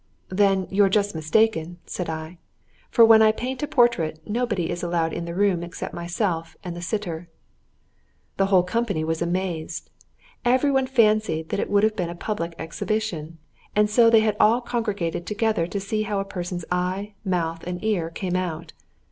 "Then you're just mistaken!" said I, "for when I paint a portrait nobody is allowed in the room except myself and the sitter." The whole company was amazed. Every one fancied that it would have been a public exhibition, and so they had all congregated together to see how a person's eye, mouth and ear came out.